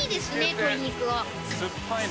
鶏肉は。